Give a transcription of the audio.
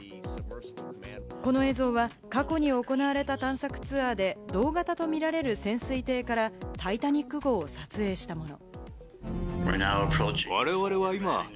この映像は過去に行われた探索ツアーで同型とみられる潜水艇からタイタニック号を撮影したもの。